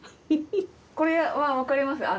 これはわかります。